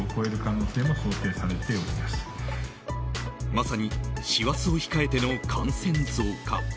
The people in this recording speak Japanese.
まさに師走を控えての感染増加。